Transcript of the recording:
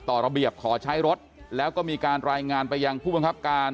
ระเบียบขอใช้รถแล้วก็มีการรายงานไปยังผู้บังคับการ